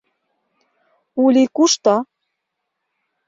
— Ули кушто?